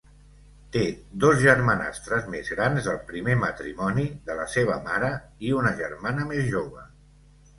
Té dos germanastres més grans del primer matrimoni de la seva mare i una germana més jove.